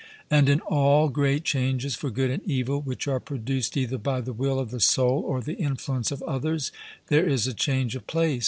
And in all great changes for good and evil which are produced either by the will of the soul or the influence of others, there is a change of place.